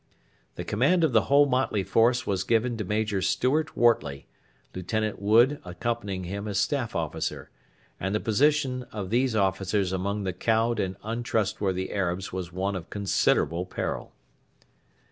The command of the whole motley force was given to Major Stuart Wortley, Lieutenant Wood accompanying him as Staff Officer; and the position of these officers among the cowed and untrustworthy Arabs was one of considerable peril.